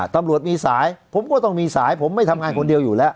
ตำรวจมีสายผมก็ต้องมีสายผมไม่ทำงานคนเดียวอยู่แล้ว